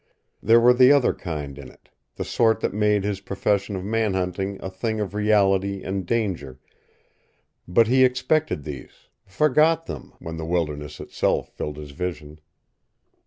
There were the other kind in it, the sort that made his profession of manhunting a thing of reality and danger, but he expected these forgot them when the wilderness itself filled his vision.